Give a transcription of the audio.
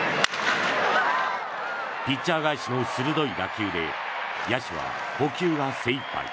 ピッチャー返しの鋭い打球で野手は捕球が精いっぱい。